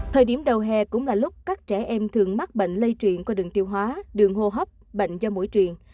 thời điểm đầu hè cũng là lúc các trẻ em thường mắc bệnh lây truyền qua đường tiêu hóa đường hô hấp bệnh do mũi truyền